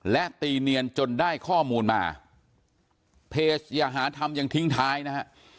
และตีเนียนจนได้ข้อมูลมาเพจอย่าหาทำยังทิ้งท้ายนะฮะ